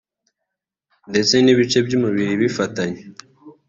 ndetse n’ibice by’umubiri bifatanye